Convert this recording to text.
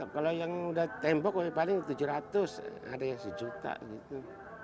kalau yang udah tembok paling tujuh ratus ada yang sejuta gitu